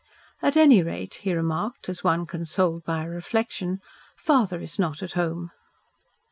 "At any rate," he remarked, as one consoled by a reflection, "father is not at home."